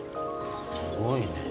すごいね。